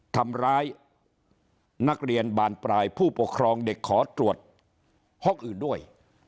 ทำร้ายนักเรียนบานปลายผู้ปกครองเด็กขอตรวจห้องอื่นด้วย